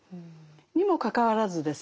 にもかかわらずですね